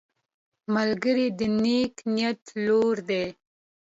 ملګری د نیک نیت لور دی